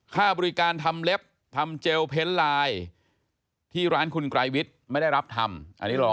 ค่าบริการทำเล็บทำเจลเพ้นลายที่ร้านคุณกลายวิทย์ไม่ได้รับทำ